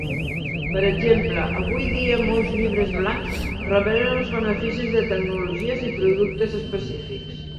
Per exemple, avui dia molts llibres blancs revelen els beneficis de tecnologies i productes específics.